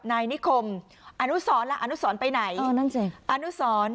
นายนิคมอนุสรและอนุสรไปไหนอนุสร